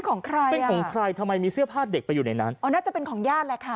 ของใครเป็นของใครทำไมมีเสื้อผ้าเด็กไปอยู่ในนั้นอ๋อน่าจะเป็นของญาติแหละค่ะ